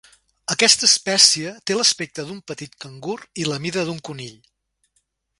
Aquesta espècie té l'aspecte d'un petit cangur i la mida d'un conill.